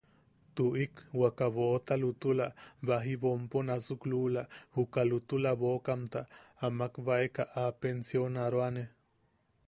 Tuʼik waka boʼota lutula, baji boʼom nasuk luula, juka lutula boʼokamta a makbaeka a pensaroane.